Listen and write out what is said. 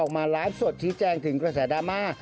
ออกมาไลฟ์สดชี้แจงถึงกระแสดราม่า